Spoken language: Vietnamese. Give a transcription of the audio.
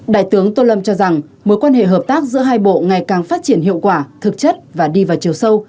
đại tướng tô lâm cho rằng mối quan hệ hợp tác giữa hai bộ ngày càng phát triển hiệu quả thực chất và đi vào chiều sâu